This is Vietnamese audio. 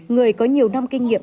người có nhiều năm kinh nghiệm